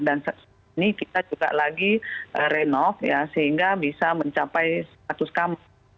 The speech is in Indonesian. dan saat ini kita juga lagi renov ya sehingga bisa mencapai seratus kamar